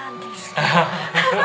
アハハハ！